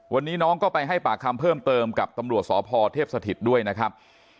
วันนี้น้องก็ไปให้ปากคำเพิ่มเติมกับตำรวจสพเทพสถิตด้วยนะครับ